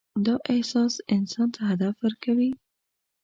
دا احساس انسان ته هدف ورکوي.